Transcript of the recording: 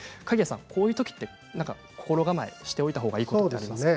こういうときって心構えしておいたほうがいいことありますか。